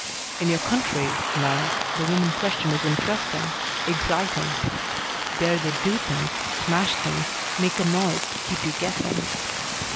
"In your country, now, the woman question is interesting, exciting. There they do things, smash things, make a noise, keep you guessing.